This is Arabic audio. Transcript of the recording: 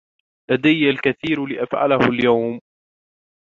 لدي الكثير لأفعله اليوم.